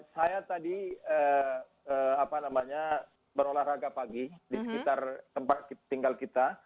saya tadi berolahraga pagi di sekitar tempat tinggal kita